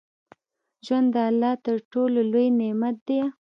ژوند د الله تر ټولو لوى نعمت ديه.